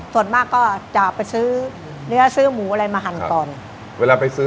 ส่วนมากก็จะไปซื้อเนื้อซื้อหมูอะไรมาหั่นก่อนเวลาไปซื้อ